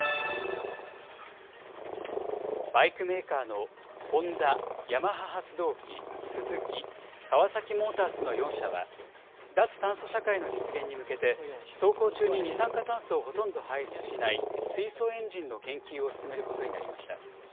バイクメーカーのホンダ、ヤマハ発動機、スズキ、カワサキモータースの４社は、脱炭素社会の実現に向けて、走行中に二酸化炭素をほとんど排出しない水素エンジンの研究を進めることになりました。